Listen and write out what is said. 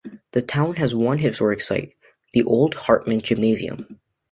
The town has one historic site, the old Hartman Gymnasium.